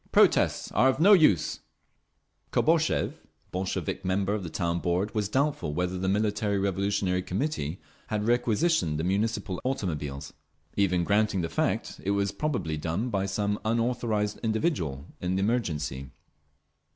Protests are of no use…." Kobozev, Bolshevik member of the Town Board, was doubtful whether the Military Revolutionary Committee had requisitioned the Municipal automobiles. Even granting the fact, it was probably done by some unauthorised individual, in the emergency.